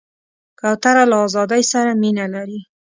کوتره له آزادۍ سره مینه لري.